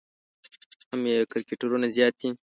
هم یې کرکټرونه زیات دي.